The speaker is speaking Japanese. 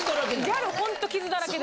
ギャルほんと傷だらけで。